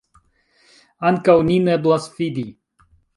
Ankaŭ nin eblas fidi.